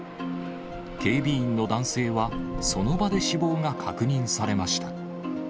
警備員の男性は、その場で死亡が確認されました。